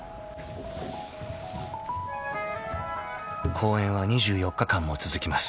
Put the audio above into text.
［公演は２４日間も続きます］